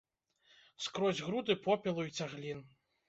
Скрозь груды попелу й цаглін.